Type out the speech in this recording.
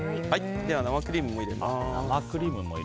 生クリームも入れます。